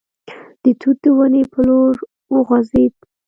د توت د ونې په لور وخوځېد.